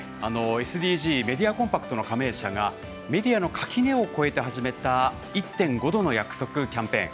ＳＤＧメディア・コンパクトの加盟社がメディアの垣根を越えて始めた「１．５℃の約束」キャンペーン。